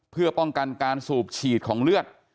เพื่อป้องกันการสูบฉีดของเลือด